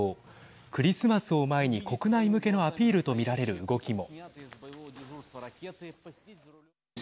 クリスマスを前に国内向けのアピールと見られる動きも。